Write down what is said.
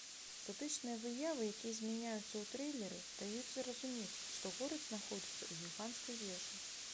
Статычныя выявы, якія змяняюцца ў трэйлеры даюць зразумець, што горад знаходзіцца ў гіганцкай вежы.